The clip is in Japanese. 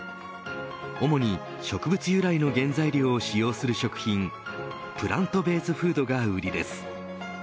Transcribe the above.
主に植物由来の原材料を使用する食品プラントベースフードが売りです。